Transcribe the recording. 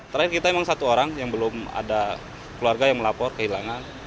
terakhir kita memang satu orang yang belum ada keluarga yang melapor kehilangan